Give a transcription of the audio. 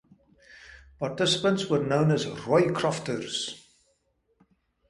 Participants were known as Roycrofters.